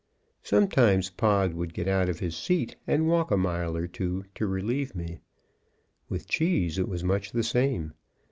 Sometimes Pod would get out of his seat and walk a mile or two, to relieve me. With Cheese it was much the same.